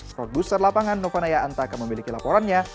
produser lapangan novanaya antaka memiliki laporannya